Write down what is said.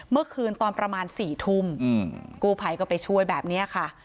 เมื่อคืนตอนประมาณ๔ทุ่มกู้ภัยก็ไปช่วยแบบนี้ค่ะ